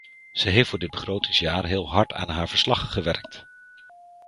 Ze heeft voor dit begrotingsjaar heel hard aan haar verslag gewerkt.